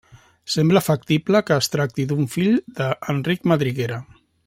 Sembla factible que es tracti d'un fill d'Enric Madriguera.